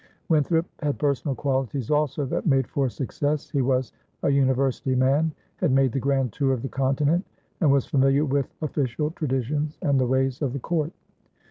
Winthrop had personal qualities, also, that made for success. He was a university man, had made the grand tour of the Continent, and was familiar with official traditions and the ways of the court.